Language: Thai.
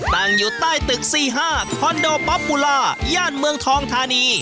ตั้งอยู่ใต้ตึก๔๕คอนโดป๊อปบูล่าย่านเมืองทองธานี